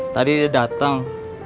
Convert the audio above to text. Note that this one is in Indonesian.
tadi dia dateng